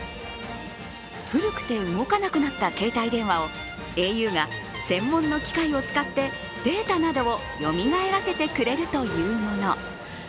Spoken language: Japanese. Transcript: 古くて動かなくなった携帯電話をａｕが専門の機械を使ってデータなどをよみがえらせてくれるというもの。